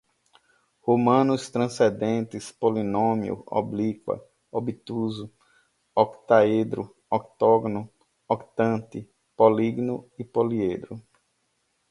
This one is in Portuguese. romanos, transcendentes, polinômio, oblíqua, obtuso, octaedro, octógono, octante, polígino, poliedro